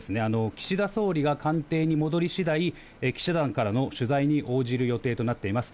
岸田総理が官邸に戻りしだい、記者団からの取材に応じる予定となっています。